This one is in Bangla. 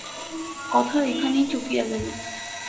কথাটা এইখানেই চুকিয়া গেল।